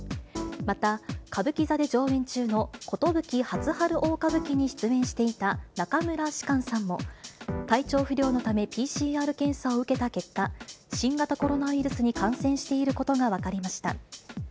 また、歌舞伎座で上演中の壽初春大歌舞伎に出演していた中村芝翫さんも、体調不良のためＰＣＲ検査を受けた結果、新型コロナウイルスに感染していることが分かりました。